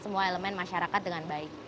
semua elemen masyarakat dengan baik